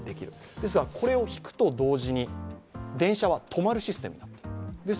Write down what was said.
ですが、これを引くと同時に、電車は止まるシステムです。